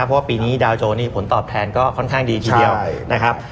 เพราะว่าปีนี้ดาวโจนี่ผลตอบแทนก็ค่อนข้างดีทีเดียวนะครับ